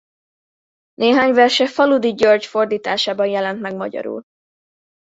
Néhány verse Faludy György fordításában jelent meg magyarul.